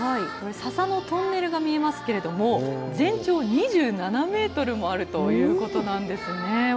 ささのトンネルが見えますけれども全長２７メートルもあるということなんですね。